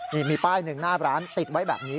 นี่มีป้ายหนึ่งหน้าร้านติดไว้แบบนี้